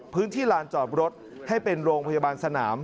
ลานจอดรถให้เป็นโรงพยาบาลสนาม